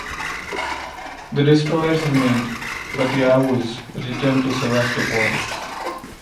The destroyers remained, but "Yavuz" returned to Sevastopol.